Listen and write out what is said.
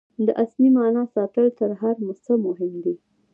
د اصلي معنا ساتل تر هر څه مهم دي.